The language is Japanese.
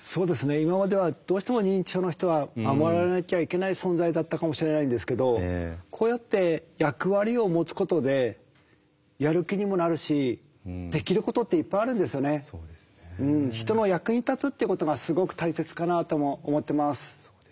今まではどうしても認知症の人は守られなきゃいけない存在だったかもしれないんですけどこうやって人の役に立つっていうことがすごく大切かなとも思ってます。